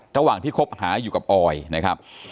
ระหว่างที่คบหาอยู่กับออยนะครับ